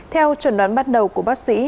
theo chuẩn đoán bắt đầu của bác sĩ